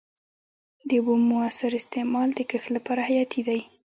د اوبو موثر استعمال د کښت لپاره حیاتي دی.